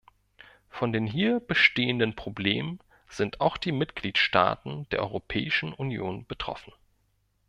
Von den hier bestehenden Problemen sind auch die Mitgliedstaaten der Europäischen Union betroffen.